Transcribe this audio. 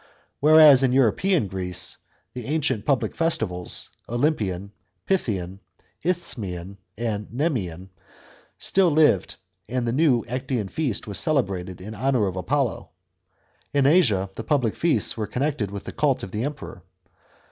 Whereas in European Greece the ancient public festivals — Olympian, Pythian, Isthmian and demean, — still lived, and the new Actian feast was celebrated in honour of Apollo, in Asia the public feasts were connected with the cult of the Emperor.